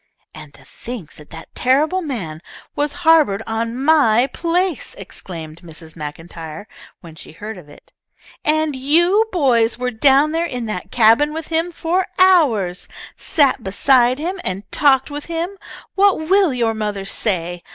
"And to think that that terrible man was harboured on my place!" exclaimed Mrs. MacIntyre when she heard of it. "And you boys were down there in the cabin with him for hours! Sat beside him and talked with him! What will your mother say?